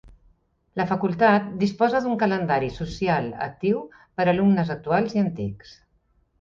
La facultat disposa d'un calendari social actiu per alumnes actuals i antics.